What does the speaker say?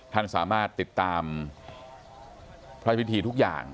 ท่านสามารถติดตามพระพิธีทุกอย่าง